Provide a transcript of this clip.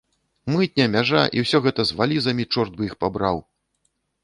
Мытня, мяжа, і ўсё гэта з валізамі, чорт бы іх пабраў!